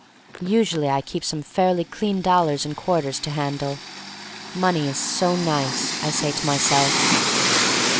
Usually I keep some fairly clean dollars and quarters to handle.. "Money is so nice!" I say to myself.